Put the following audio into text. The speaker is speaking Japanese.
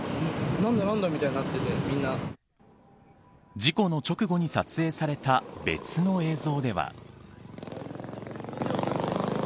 事故の直後に撮影された別の映像では。